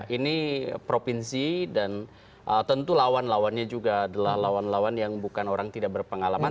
ini provinsi dan tentu lawan lawannya juga adalah lawan lawan yang bukan orang tidak berpengalaman